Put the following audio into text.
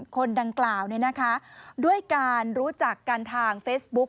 คนดังกล่าวด้วยการรู้จักกันทางเฟซบุ๊ก